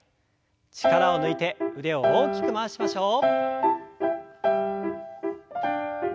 力を抜いて腕を大きく回しましょう。